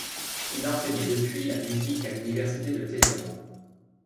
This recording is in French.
Il enseignait depuis la musique à l'université de Téhéran.